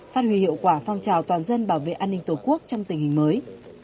phát huy hiệu quả phong trào toàn dân bảo vệ an ninh tổ quốc trong tình hình mới